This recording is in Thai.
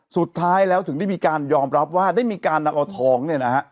สุดท้ายแล้วถึงได้มีการยอมรับว่าได้มีการนำเอาทองเนี่ยนะฮะ